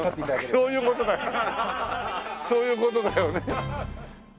そういう事だよね。